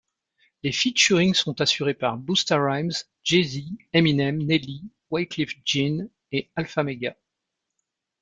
Les featurings sont assurés par Busta Rhymes, Jay-Z, Eminem, Nelly, Wyclef Jean et Alfamega.